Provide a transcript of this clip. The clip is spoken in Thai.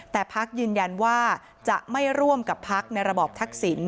แต่พักยืนยันว่าจะไม่ร่วมกับพักในระบอบทักษิณ